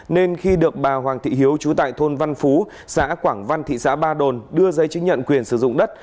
nên khi được bà hoàng thị hiếu trú tại thôn văn phú xã quảng văn thị xã ba đồn đưa giấy chứng nhận quyền sử dụng đất